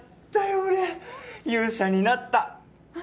俺勇者になったえっ